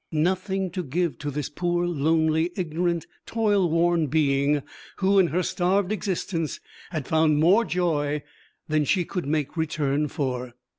Nothing to give to this poor, lonely, ignorant, toil worn being who in her starved existence had found more joy than she could make return for!